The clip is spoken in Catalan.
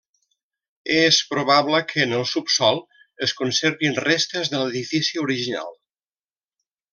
És probable que en el subsòl es conservin restes de l'edifici original.